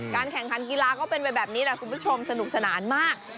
แข่งขันกีฬาก็เป็นไปแบบนี้แหละคุณผู้ชมสนุกสนานมาก